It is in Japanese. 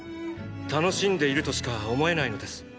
楽しんでいるとしか思えないのです。